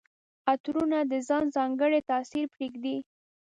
عطرونه د ځان ځانګړی تاثر پرېږدي.